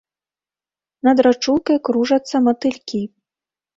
Над рачулкай кружацца матылькі.